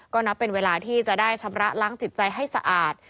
ก็นับเป็นเวลาที่จะได้ชำระล้างจิตใจให้สะอาด